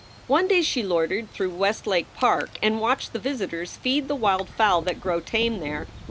One day she loitered through Westlake Park and watched the visitors feed the wild fowl that grow tame there.